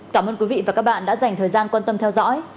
cảm ơn quý vị và các bạn đã dành thời gian quan tâm theo dõi